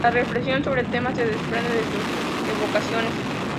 La reflexión sobre el tema se desprende de sus evocaciones.